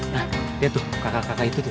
nah lihat tuh kakak kakak itu tuh